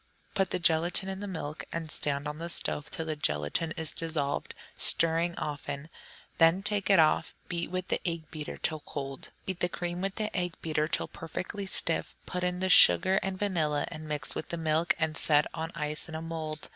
Put the gelatine in the milk and stand on the stove till the gelatine is dissolved, stirring often. Then take it off, and beat with the egg beater till cold. Beat the cream with the egg beater till perfectly stiff, put in the sugar and vanilla, and mix with the milk, and set on ice in a mould.